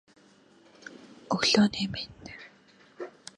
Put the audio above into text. Limestone is available in Yerraguntla.